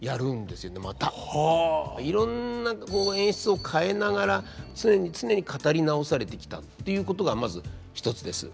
いろんな演出を変えながら常に常に語り直されてきたっていうことがまず一つです。